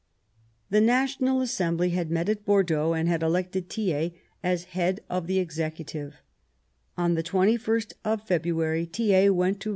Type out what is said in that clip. The National Assembly had met at Bordeaux and had elected Thiers as head of the Executive, On the 2ist of February Thiers went to ^f®l^°^i.^''?